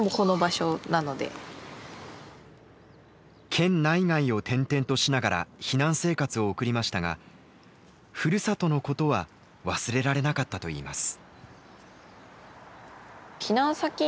県内外を転々としながら避難生活を送りましたがふるさとのことは忘れられなかったといいます。